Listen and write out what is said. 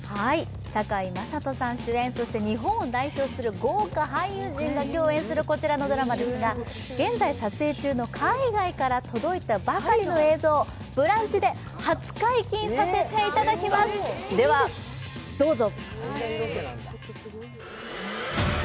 堺雅人さん主演、そして日本を代表する豪華俳優陣が出演する現在撮影中の海外から届いたばかりの映像、「ブランチ」で初解禁させていただきますでは、どうぞ。